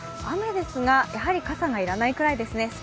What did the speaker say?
雨ですが、やはり傘が要らないぐらいですね。